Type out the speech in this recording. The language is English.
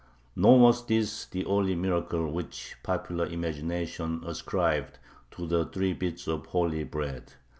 Nor was this the only miracle which popular imagination ascribed to the three bits of holy bread.